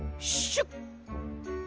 シュッ！